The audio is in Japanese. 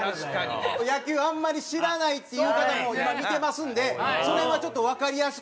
野球あんまり知らないっていう方も今見てますんでその辺はちょっとわかりやすく。